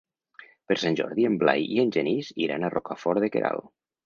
Per Sant Jordi en Blai i en Genís iran a Rocafort de Queralt.